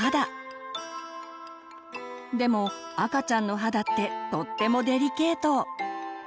でも赤ちゃんの肌ってとってもデリケート。